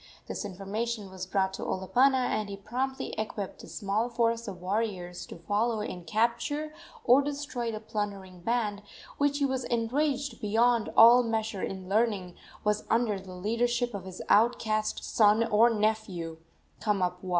This information was brought to Olopana, and he promptly equipped a small force of warriors to follow and capture or destroy the plundering band, which, he was enraged beyond all measure in learning, was under the leadership of his outcast son or nephew, Kamapuaa.